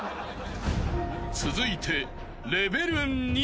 ［続いて］